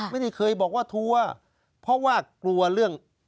ไม่ได้เคยบอกว่าทัวร์เพราะว่ากลัวเรื่อง